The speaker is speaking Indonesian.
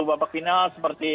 bapak final seperti